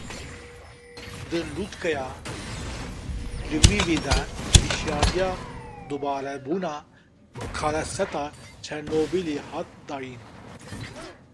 Di lûtkeya Livîvê de hişyariya dubarebûna karesata Çernobîlê hat dayîn.